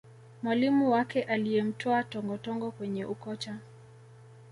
mwalimu wake aliyemtoa tongotongo kwenye ukocha